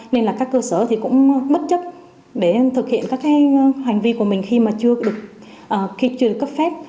nên là các cơ sở thì cũng bất chấp để thực hiện các hành vi của mình khi mà chưa được cấp phép